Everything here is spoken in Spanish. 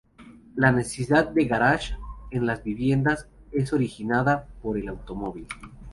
La necesidad de garaje en las viviendas es originada por el automóvil.